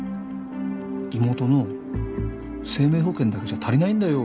妹の生命保険だけじゃ足りないんだよ。